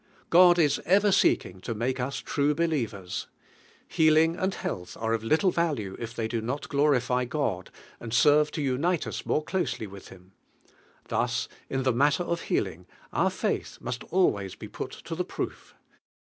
God is ever seeking (o mnke us true believers. Healing anil health are of little value if they do not. glorify God, and serve lo unite us more closely with Him; thus iu the matter of healing our faith must always be put to the proof.